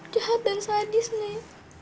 jahat dan sadis nek